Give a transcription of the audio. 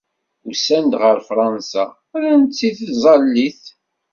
Usan-d ɣer Fransa, rran-tt i tẓallit.